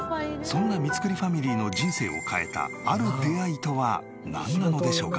そんな三栗ファミリーの人生を変えたある出会いとはなんなのでしょうか？